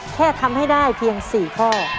แค่ทำให้ได้เพียง๔ข้อ